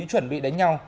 chuẩn bị đánh nhau